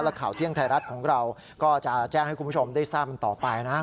และข่าวเที่ยงไทยรัฐของเราก็จะแจ้งให้คุณผู้ชมได้ทราบกันต่อไปนะ